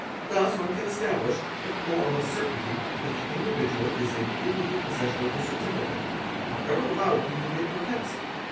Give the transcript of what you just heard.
Thus one can establish, with more or less certainty, that the dividual is in illegal possession of the certificate, however loudly he may 'protest.